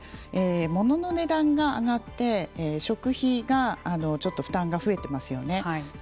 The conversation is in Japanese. モノの値段が上がって食費がちょっと負担が増えてますよね。